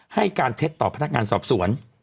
ให้การเท็จต่อพนักงานสอบสวน